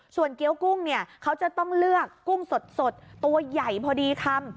ส่วนเกี้ยวกุ้งเนี่ยเขาจะต้องเลือกกุ้งสดตัวใหญ่พอดีคำ